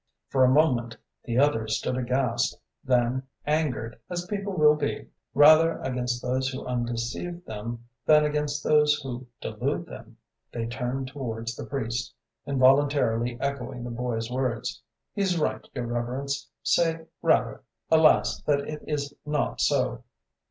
'" For a moment the others stood aghast; then, angered, as people will be, rather against those who undeceive them than against those who delude them, they turned towards the priest, involuntarily echoing the boy's words: "He's right, your reverence! Say rather, 'Alas, that it is not so!'"